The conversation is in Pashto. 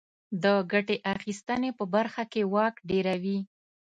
د ګټې اخیستنې په برخه کې واک ډېروي.